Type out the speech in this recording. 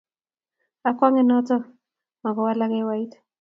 akwonge nto mokuwalak hewait.